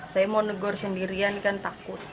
saya mau negor sendirian kan takut